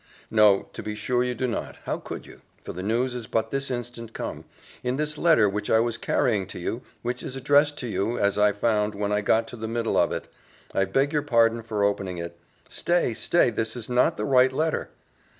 "No, to be sure you do not, how could you? for the news is but this instant come in this letter which I was carrying to you which is addressed to you, as I found, when I got to the middle of it. I beg your pardon for opening it. Stay, stay this is not the right letter."